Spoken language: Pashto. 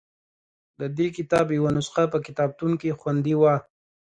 د دې کتاب یوه نسخه په کتابتون کې خوندي وه.